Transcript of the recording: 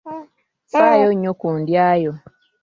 Ffaayo nnyo ku ndya yo.